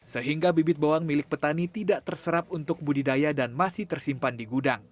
sehingga bibit bawang milik petani tidak terserap untuk budidaya dan masih tersimpan di gudang